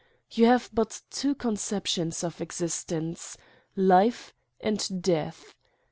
You have but two conceptions of existence: life and death.